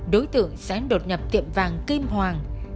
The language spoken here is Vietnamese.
đối tượng sẽ đột nhập tiệm vàng kim hoàng